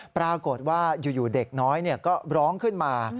ปรากฏว่าอยู่เด็กน้อยก็ร้องขึ้นมา